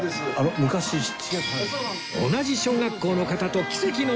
同じ小学校の方と奇跡の出会い